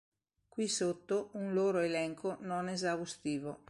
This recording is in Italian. Qui sotto un loro elenco non esaustivo.